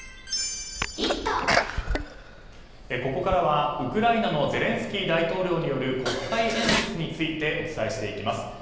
ここからはウクライナのゼレンスキー大統領による国会演説についてお伝えしていきます。